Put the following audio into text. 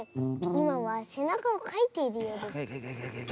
いまはせなかをかいているようです。